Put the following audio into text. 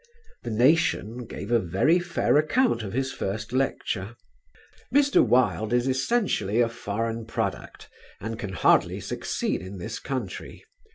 The Nation gave a very fair account of his first lecture: "Mr. Wilde is essentially a foreign product and can hardly succeed in this country.